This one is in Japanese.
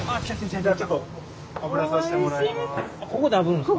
ここであぶるんですか？